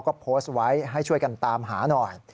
ก็โพสต์ไว้ให้ช่วยกันตามหาหน่อย